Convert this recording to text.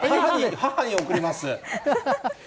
母に贈ります。